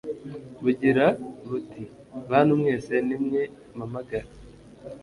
bugira buti bantu mwese, ni mwe mpamagara